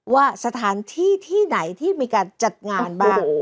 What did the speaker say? ว่าสถานที่ที่ไหนที่มีการจัดงานบ้าง